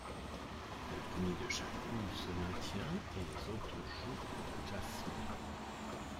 Le premier de chaque poule se maintient et les autres jouent pour le classement.